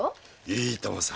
いいともさ。